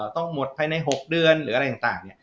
ต้องหมดภายใน๖เดือนหรืออะไรต่าง